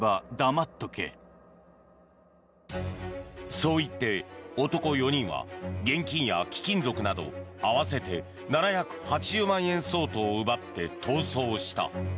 そういって男４人は現金や貴金属など合わせて７８０万円相当を奪って逃走した。